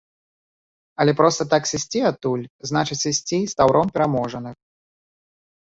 Але проста так сысці адтуль, значыць, сысці з таўром пераможаных.